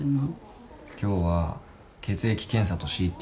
今日は血液検査とＣＴ。